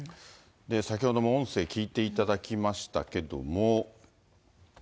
先ほども音声を聞いていただきましたけれども。